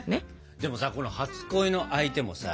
でもさこの初恋の相手もさ